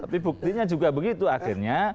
tapi buktinya juga begitu akhirnya